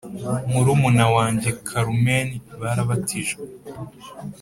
murumuna wanjye Carmen barabatijwe